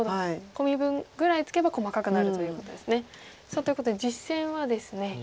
コミ分ぐらいつけば細かくなるということですね。ということで実戦はですね